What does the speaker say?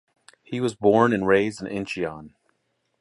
He was born and raised in Incheon.